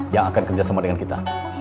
yang akan kerjasama dengan kita